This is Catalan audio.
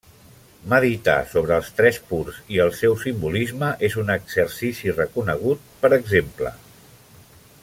Meditar sobre els Tres Purs i el seu simbolisme és un exercici reconegut, per exemple.